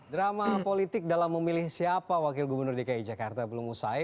drama politik dalam memilih siapa wakil gubernur dki jakarta belum usai